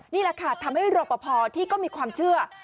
นี่แหละค่ะทำให้รอปภที่ก็มีความเชื่อ